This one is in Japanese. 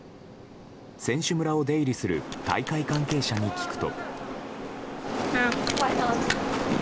選手村を出入りする大会関係者に聞くと。